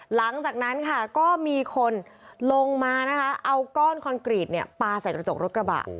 หลังจากนั้นค่ะก็มีคนลงมานะคะเอาก้อนคอนกรีตปลาใส่กระจกรถกระบะ